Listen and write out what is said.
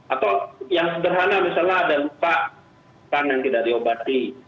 atau yang sederhana misalnya ada luka kan yang tidak diobati